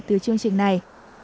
từ chương trình này